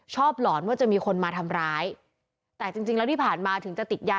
หลอนว่าจะมีคนมาทำร้ายแต่จริงจริงแล้วที่ผ่านมาถึงจะติดยา